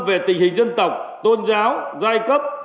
về dân tộc tôn giáo giai cấp